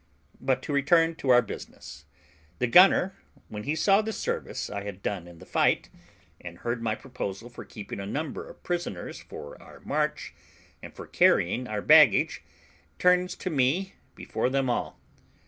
But to return to our business; the gunner, when he saw the service I had done in the fight, and heard my proposal for keeping a number of prisoners for our march, and for carrying our baggage, turns to me before them all.